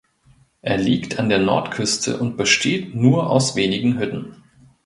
Er liegt an der Nordküste und besteht nur aus wenigen Hütten.